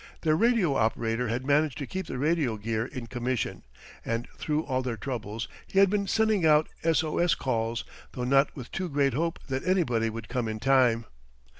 Their radio operator had managed to keep the radio gear in commission, and through all their troubles he had been sending out S O S calls, though not with too great hope that anybody would come in time.